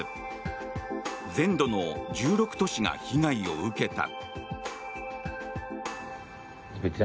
全土の１６都市が被害を受けた。